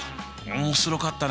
面白かったな。